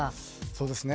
そうですね。